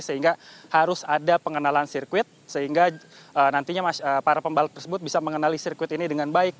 sehingga harus ada pengenalan sirkuit sehingga nantinya para pembalap tersebut bisa mengenali sirkuit ini dengan baik